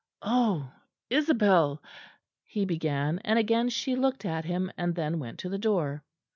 "Oh! Isabel " he began; and again she looked at him, and then went to the door.